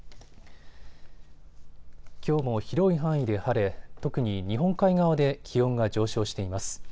きょうも広い範囲で晴れ、特に日本海側で気温が上昇しています。